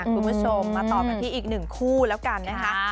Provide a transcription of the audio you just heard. คุณผู้ชมมาต่อกันที่อีก๑คู่แล้วกันนะครับ